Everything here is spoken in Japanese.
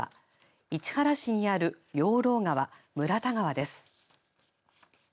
市原市にある養老川村田川です。